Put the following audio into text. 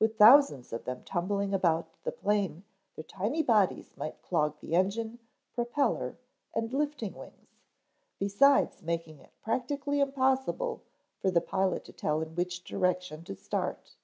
With thousands of them tumbling about the plane their tiny bodies might clog the engine, propeller, and lifting wings, besides making it practically impossible for the pilot to tell in which direction to start.